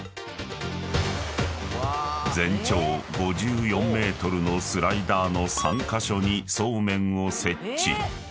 ［全長５４ｍのスライダーの３カ所にそうめんを設置］